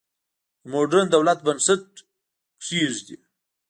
د موډرن دولت بنسټ کېږدي.